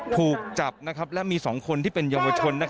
ถูกจับและมี๒คนที่เป็นเยาวชน